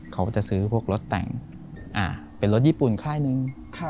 เขาจะซื้อพวกรถแต่งเป็นรถญี่ปุ่นค่ายหนึ่ง